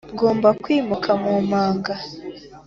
ngomba kwimuka mu manga.